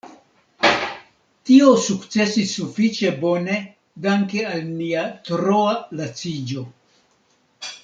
Tio sukcesis sufiĉe bone danke al nia troa laciĝo.